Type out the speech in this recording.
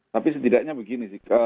tapi setidaknya begini sih